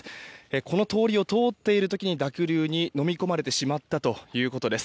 この通りを通っている時に濁流にのみ込まれてしまったということです。